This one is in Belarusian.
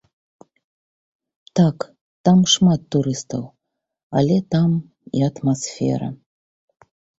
Так, там шмат турыстаў, але там і атмасфера!